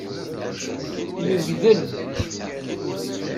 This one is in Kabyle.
Yegdel.